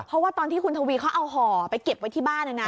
เพราะว่าตอนที่คุณทวีเขาเอาห่อไปเก็บไว้ที่บ้านนะนะ